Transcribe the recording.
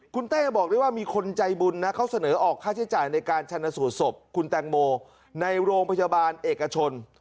คุณเต้บอกได้ว่ามีคนใจบุญนะเขาเสนอออกค่าใช้จ่ายในการชนสูตรศพคุณแตงโมในโรงพยาบาลเอกชน